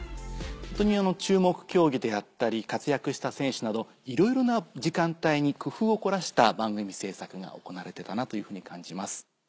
ホントに注目競技であったり活躍した選手などいろいろな時間帯に工夫を凝らした番組制作が行われてたなというふうに感じます。